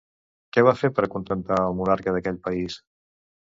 Què va fer per acontentar al monarca d'aquell país?